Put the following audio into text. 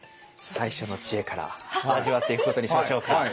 最初の知恵から味わっていくことにしましょうか。